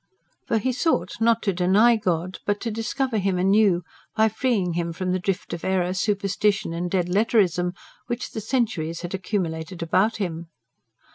For he sought, not to deny God, but to discover Him anew, by freeing Him from the drift of error, superstition and dead letterism which the centuries had accumulated about Him.